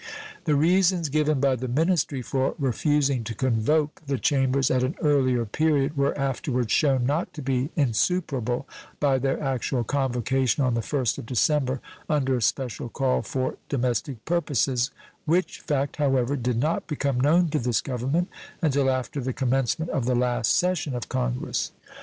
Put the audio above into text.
The reasons given by the ministry for refusing to convoke the Chambers at an earlier period were afterwards shewn not to be insuperable by their actual convocation on the first of December under a special call for domestic purposes, which fact, however, did not become known to this Government until after the commencement of the last session of Congress.